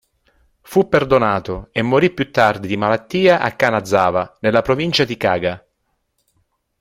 Fu perdonato e morì più tardi di malattia a Kanazawa, nella provincia di Kaga.